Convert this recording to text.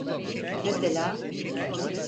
Mesela...